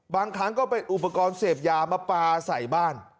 บางครั้งก็เป็นอุปกรณ์เสพยามาปลาใส่บ้าน